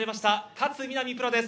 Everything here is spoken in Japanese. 勝みなみプロです。